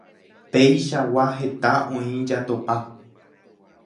Peichagua heta oĩ jatopa.